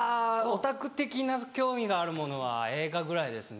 オタク的な興味があるものは映画ぐらいですね。